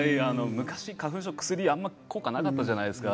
昔、花粉症の薬って効果なかったじゃないですか